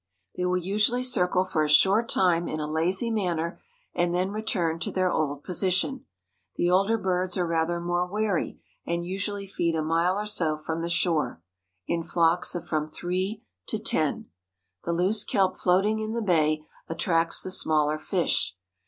They will usually circle for a short time in a lazy manner and then return to their old position. The older birds are rather more wary and usually feed a mile or so from the shore, in flocks of from three to ten. The loose kelp floating in the bay attracts the smaller fish.